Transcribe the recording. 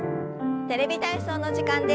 「テレビ体操」の時間です。